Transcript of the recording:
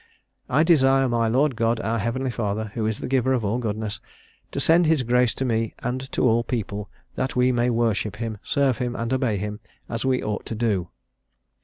"I desire my Lord God, our Heavenly Father, who is the giver of all goodness, to send his grace to me and to all people; that we may worship him, serve him, and obey him, as we ought to do."